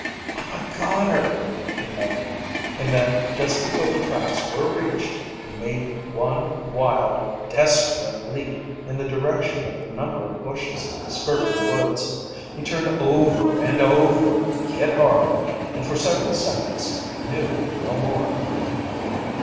"I'm a goner!" he muttered, and then, just before the tracks were reached, he made one wild, desperate leap in the direction of a number of bushes skirting the woods. He turned over and over, hit hard and for several seconds knew no more.